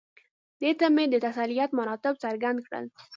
ده ته مې د تسلیت مراتب څرګند کړل.